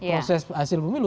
proses hasil pemilu